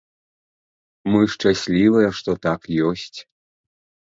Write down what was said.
Мы шчаслівыя, што так ёсць.